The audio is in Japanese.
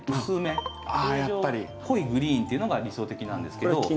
通常濃いグリーンっていうのが理想的なんですけど。